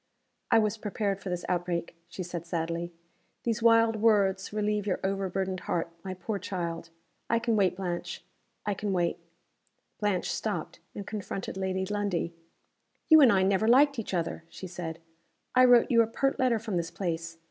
"I was prepared for this outbreak," she said, sadly. "These wild words relieve your over burdened heart, my poor child. I can wait, Blanche I can wait!" Blanche stopped, and confronted Lady Lundie. "You and I never liked each other," she said. "I wrote you a pert letter from this place.